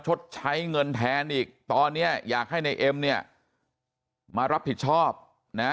ชดใช้เงินแทนอีกตอนนี้อยากให้ในเอ็มเนี่ยมารับผิดชอบนะ